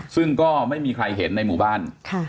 ซึ่งก็ไม่มีใครเห็นในหมู่บ้าน